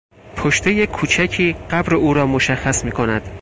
پشتهی کوچکی قبر اورا مشخص میکند.